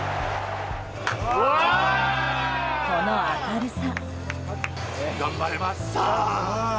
この明るさ。